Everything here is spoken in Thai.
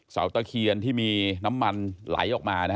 ตะเคียนที่มีน้ำมันไหลออกมา